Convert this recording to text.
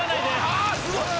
あすごい！